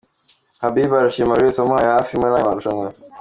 Habiba arashima buri wese wamuhaye hafi muri aya marushanwa.